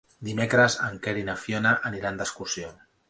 Dimecres en Quer i na Fiona aniran d'excursió.